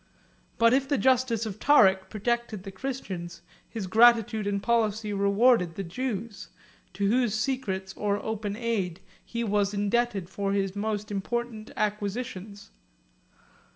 But if the justice of Tarik protected the Christians, his gratitude and policy rewarded the Jews, to whose secret or open aid he was indebted for his most important acquisitions.